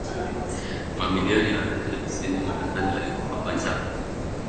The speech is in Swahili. Mamilioni ya wazalendo kusini mwa Tanzania walikufa kwa njaa